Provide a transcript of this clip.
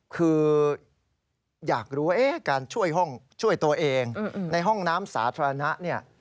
คืออยากรู้ว่าการช่วยตัวเองในห้องน้ำสาธารณะเนี่ย